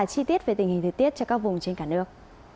chi tiết về tình hình thời tiết cho các vùng trên cả nước